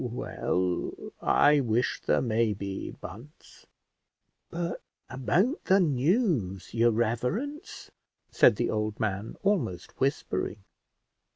"Well, I wish there may be, Bunce." "But about the news, your reverence?" said the old man, almost whispering.